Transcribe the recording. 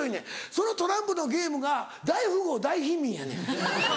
そのトランプのゲームが大富豪大貧民やねん。